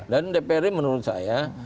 dan dprd menurut saya